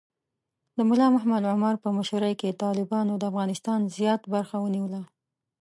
د ملا محمد عمر په مشرۍ کې طالبانو د افغانستان زیات برخه ونیوله.